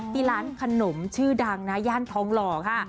ที่ร้านขนมชื่อดังนะย่านทองหล่อค่ะ